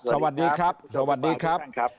สวัสดีครับสวัสดีครับ